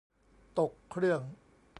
ตกเครื่อง